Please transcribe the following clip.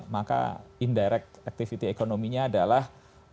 maka indirect activity ekonominya adalah